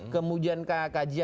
kemudian kajian publik